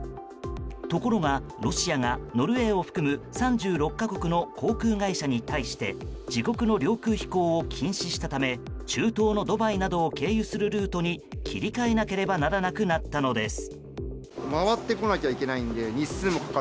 ところが、ロシアがノルウェーを含む３６か国の航空会社に対して自国の領空飛行を禁止したため中東のドバイなどを経由するルートに切り替えなければならなくなったのです。